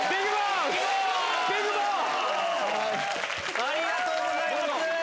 ありがとうございます。